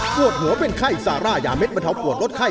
ปวดหัวเป็นไข้ซาร่ายาเด็ดบรรเทาปวดลดไข้